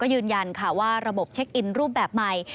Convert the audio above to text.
ยืนยันค่ะว่าระบบเช็คอินรูปแบบใหม่